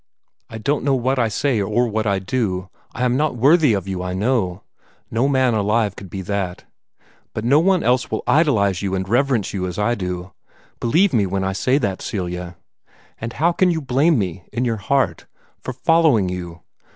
I don't know what I say or what I do. I am not worthy of you, I know. No man alive could be that. But no one else will idolize and reverence you as I do. Believe me when I say that, Celia! And how can you blame me, in your heart, for following you?